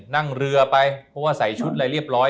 นั่งเรือไปเพราะว่าใส่ชุดอะไรเรียบร้อย